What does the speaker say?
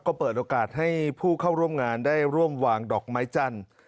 ก็เปิดโอกาสให้ผู้เข้าร่วมงานได้ร่วมวางดอกไม้จันทร์